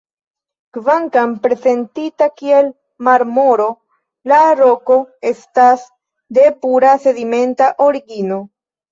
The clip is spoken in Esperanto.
Kvankam prezentita kiel marmoro, la roko estas de pura sedimenta origino.